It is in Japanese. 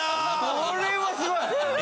これはすごい！